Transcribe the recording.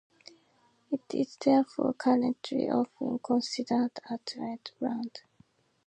It is therefore currently often considered a Twents brand.